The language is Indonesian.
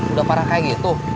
udah parah kayak gitu